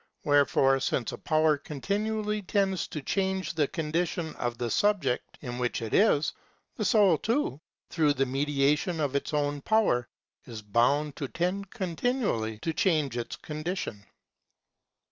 Wherefore, since a power continually tends to change the condition of the subject in which it is (§ 725, OntoL), the soul, too, through the mediation of its own power, is bound to tend continually to change its condition.